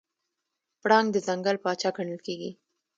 پړانګ د ځنګل پاچا ګڼل کېږي.